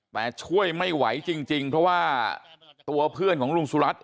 แต่ช่วยไม่ไหวจริงเพราะว่าตัวเพื่อนของลุงสุรัตน